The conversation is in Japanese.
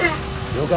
了解。